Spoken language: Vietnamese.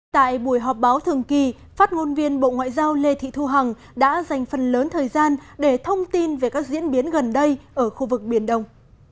tại buổi họp báo thường kỳ phát ngôn viên bộ ngoại giao lê thị thu hằng đã dành phần lớn thời gian để thông tin về các diễn biến gần đây ở khu vực biển đông